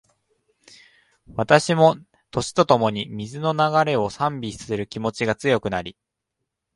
私も、年とともに、水の流れを賛美する気持ちが強くなり